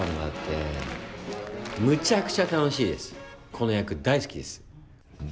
この役大好きです。